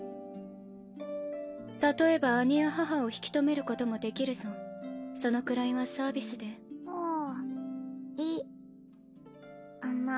例えば姉や母を引き止めることもできそのくらいはサービスでんんいあんな